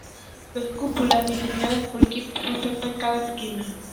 Las cúpulas diseñadas por Gibbs resaltan cada esquina.